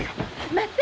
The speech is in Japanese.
待って。